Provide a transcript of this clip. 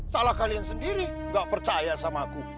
salah kalian sendiri gak percaya sama aku